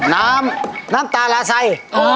น้ำน้ำตาลาไซ